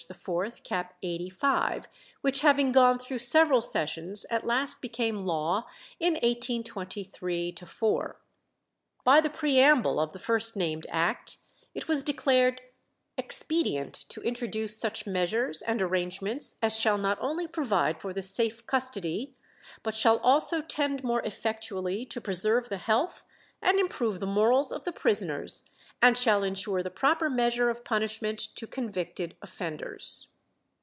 IV. cap. 85, which having gone through several sessions, at last became law in 1823 4. By the preamble of the first named act it was declared "expedient to introduce such measures and arrangements as shall not only provide for the safe custody, but shall also tend more effectually to preserve the health and improve the morals of the prisoners, and shall insure the proper measure of punishment to convicted offenders."